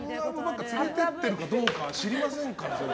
連れて行っているかどうか知りませんから。